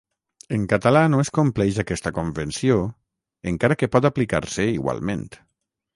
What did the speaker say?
En català no es compleix aquesta convenció, encara que pot aplicar-se igualment.